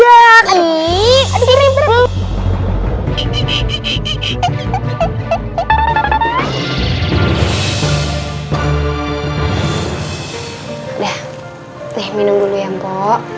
udah minum dulu ya mpo